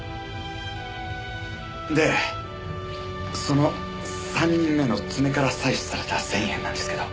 でその３人目の爪から採取された繊維片なんですけど。